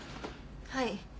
はい。